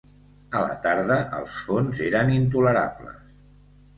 A la tarda, els fons eren intolerables.